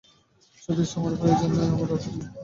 সতীশ, তোমার উপর ঐজন্যই আমার রাগ ধরে।